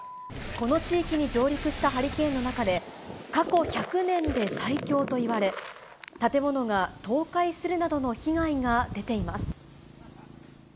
この地域に上陸したハリケーンの中で、過去１００年で最強といわれ、建物が倒壊するなどの被害が出ています。